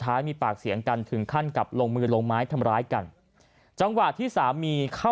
มีปากเสียงกันถึงขั้นกับลงมือลงไม้ทำร้ายกันจังหวะที่สามีเข้า